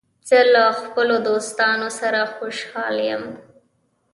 زه له خپلو دوستانو سره خوشحال یم.